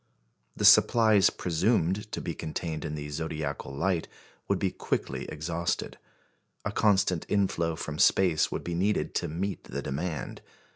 The supplies presumed to be contained in the zodiacal light would be quickly exhausted; a constant inflow from space would be needed to meet the demand.